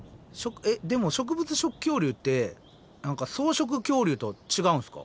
えっでも植物食恐竜って何か草食恐竜とは違うんすか？